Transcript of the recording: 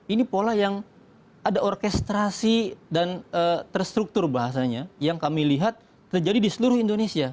ini pola yang ada orkestrasi dan terstruktur bahasanya yang kami lihat terjadi di seluruh indonesia